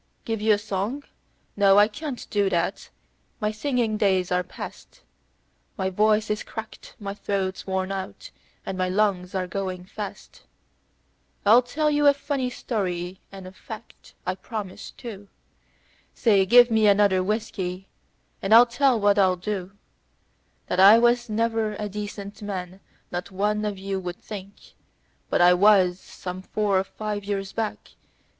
Give you a song? No, I can't do that; my singing days are past; My voice is cracked, my throat's worn out, and my lungs are going fast. "I'll tell you a funny story, and a fact, I promise, too. Say! Give me another whiskey, and I'll tell what I'll do That I was ever a decent man not one of you would think; But I was, some four or five years back.